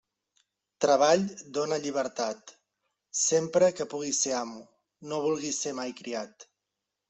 Treball dóna llibertat; sempre que puguis ser amo, no vulguis mai ser criat.